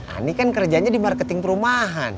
ini kan kerjanya di marketing perumahan